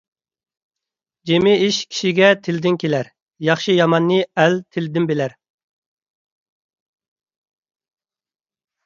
جىمى ئىش كىشىگە تىلىدىن كېلەر، ياخشى - ياماننى ئەل تىلىدىن بىلەر.